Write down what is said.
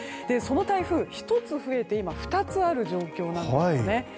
その台風１つ増えて今、２つある状況なんです。